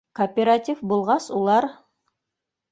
Кооператив булғас, улар